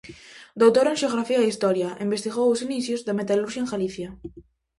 Doutora en Xeografía e Historia, investigou os inicios da metalurxia en Galicia.